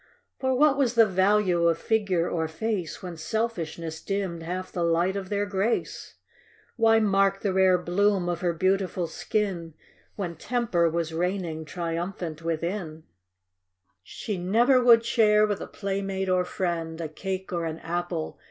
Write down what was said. For what was the value of figure or face, When selfishness dimmed half the light of their grace ? Why mark the rare bloom of her beautiful skin, When temper was reigning triumphant within ?( 7 ) 8 THE SELFISH GIRL. She never would share with a playmate or friend, A cake or an apple.